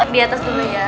diatas dulu ya